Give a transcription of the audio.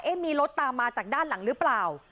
มีรถตามมาจากด้านหลังหรือเปล่า